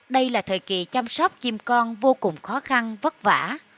đây là thời kỳ chăm sóc chim con vô cùng khó khăn vất vả